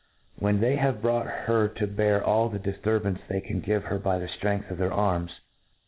When they hav<5 brought her to bear all the difturbance they can give her by .the ftrength of their arms